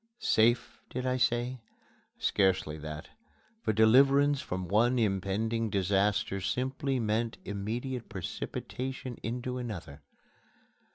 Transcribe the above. "Safe," did I say? Scarcely that for deliverance from one impending disaster simply meant immediate precipitation into another.